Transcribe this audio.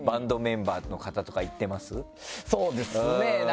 そうですね